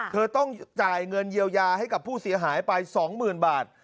เธอต้องจ่ายเงินเยียวยาให้กับผู้เสียหายไป๒๐๐๐บาท